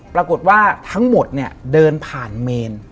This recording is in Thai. ปรากฏว่าทั้งหมดเนี่ยเดินผ่านเมน